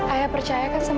ayah percayakan sama aku